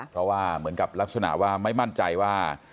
เพราะว่าเหมือนกับลักษณะว่าไม่มั่นใจว่า